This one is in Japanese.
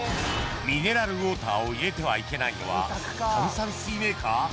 ミネラルウォーターを入れてはいけないのは炭酸水メーカー？